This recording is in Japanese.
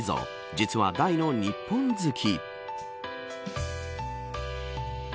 実は大の日本好き。